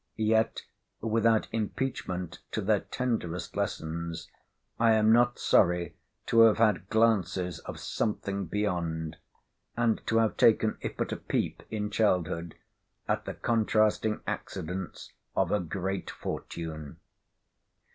Yet, without impeachment to their tenderest lessons, I am not sorry to have had glances of something beyond; and to have taken, if but a peep, in childhood, at the contrasting accidents of a great fortune.